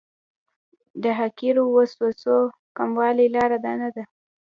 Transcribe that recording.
د حقیرو وسوسو کمولو لاره دا نه ده.